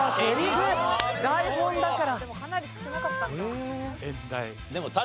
でもかなり少なかったんだ。